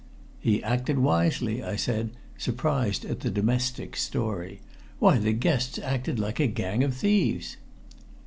"He acted wisely," I said, surprised at the domestic's story. "Why, the guests acted like a gang of thieves."